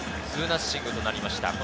ツーナッシングとなりました。